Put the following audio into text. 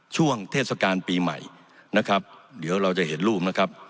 ช่วงเทศกาลปีใหม่